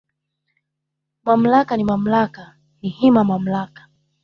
"Malmaka ni, mamlaka ni hima mamlaka"